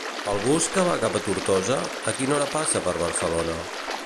El bus que va cap a Tortosa, a quina hora passa per Barcelona?